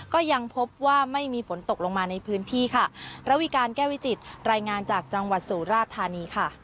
ก็ยังพบว่าไม่มีฝนตกลงมาในพื้นที่ค่ะระวิการแก้วิจิตรายงานจากจังหวัดสุราธานีค่ะ